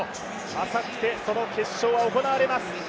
あさって、決勝が行われます